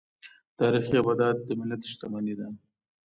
تاریخي ابدات د ملت شتمني ده.